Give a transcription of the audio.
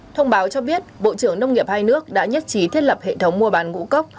thông báo cho biết bộ trưởng nông nghiệp hai nước đã nhất trí thiết lập hệ thống mua bán ngũ cốc